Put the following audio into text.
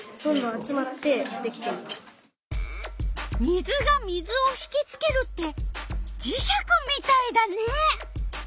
水が水をひきつけるってじ石みたいだね！